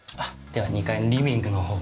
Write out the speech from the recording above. では２階のリビングの方から。